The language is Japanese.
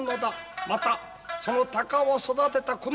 またその鷹を育てた